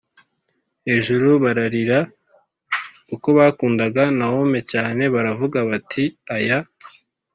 hejuru bararira kuko bakundaga cyane Nawomi Baravuga bati oya